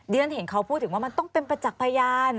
ฉันเห็นเขาพูดถึงว่ามันต้องเป็นประจักษ์พยาน